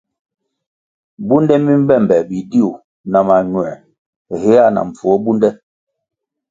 Bunde mi mbe be bidiu na mañuē héa na mpfuo bunde.